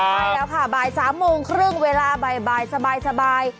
ใช่แล้วค่ะบ่าย๓โมงครึ่งเวลาบ่ายสบาย